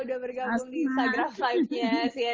udah bergabung di sagra fightnya